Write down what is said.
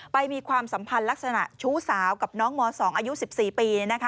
มีความสัมพันธ์ลักษณะชู้สาวกับน้องม๒อายุ๑๔ปี